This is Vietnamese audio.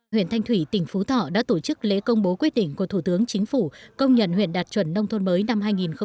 huyện thanh thủy tỉnh phú thọ đã tổ chức lễ công bố quyết định của thủ tướng chính phủ công nhận huyện đạt chuẩn nông thôn mới năm hai nghìn một mươi tám